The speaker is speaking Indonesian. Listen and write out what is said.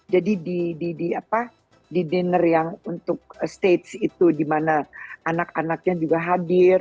jadi di dinner yang untuk stage itu di mana anak anaknya juga hadir